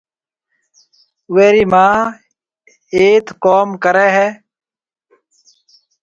اُوئي رِي مان هيَٿ ڪوم ڪريَ هيَ۔